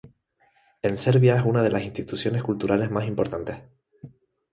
En Serbia es una de las instituciones culturales más importantes.